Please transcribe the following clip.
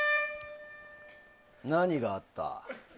何があった？